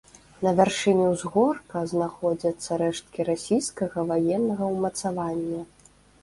На вяршыні ўзгорка знаходзяцца рэшткі расійскага ваеннага ўмацавання.